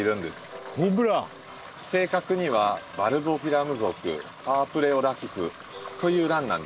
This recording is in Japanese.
正確にはバルボフィラム属パープレオラキスというランなんです。